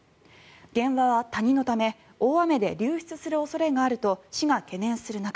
現場は谷のため大雨で流出する恐れがあると市が懸念する中